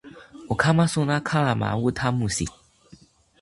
o kama sona kalama uta musi